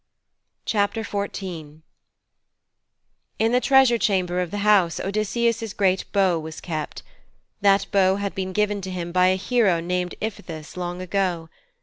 XIV In the treasure chamber of the house Odysseus' great bow was kept. That bow had been given to him by a hero named Iphitus long ago.